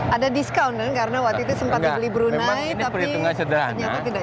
ada discount karena waktu itu sempat dibeli brunei tapi ternyata tidak